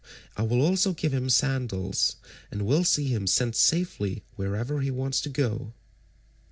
I will also give him sandals, and will see him sent safely wherever he wants to go."